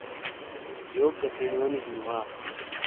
یوک گہ چھینیونی ہیں وا ۔